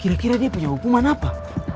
kira kira dia punya hukuman apa